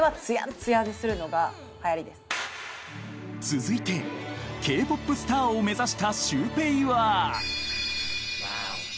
［続いてＫ−ＰＯＰスターを目指したシュウペイは］